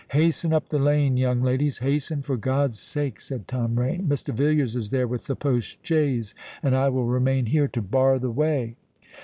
"Hasten up the lane, young ladies—hasten, for God's sake!" said Tom Rain. "Mr. Villiers is there with the post chaise—and I will remain here to bar the way."